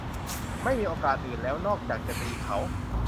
ไม่มีโอกาสอื่นแล้วนอกจากจะตีเขา